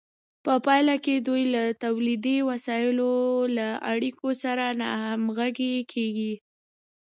په پایله کې دوی د تولیدي وسایلو له اړیکو سره ناهمغږې کیږي.